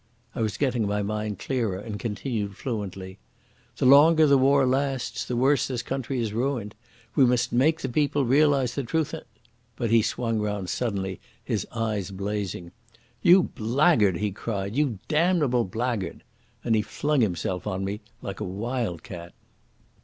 I was getting my mind clearer and continued fluently. "The longer the war lasts, the worse this country is ruined. We must make the people realise the truth, and—" But he swung round suddenly, his eyes blazing. "You blackguard!" he cried, "you damnable blackguard!" And he flung himself on me like a wild cat.